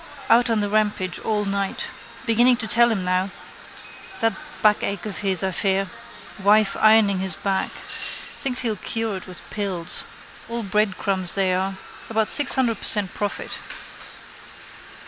Out on the rampage all night. Beginning to tell on him now: that backache of his, I fear. Wife ironing his back. Thinks he'll cure it with pills. All breadcrumbs they are. About six hundred per cent profit.